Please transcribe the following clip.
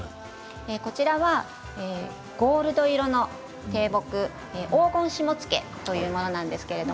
こちらはゴールド色の低木オウゴンシモツケというものです。